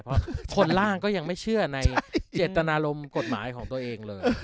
เพราะคนล่างก็ยังไม่เชื่อในเจตนารมณ์กฎหมายของตัวเองเลย